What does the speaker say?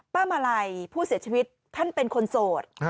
มาลัยผู้เสียชีวิตท่านเป็นคนโสด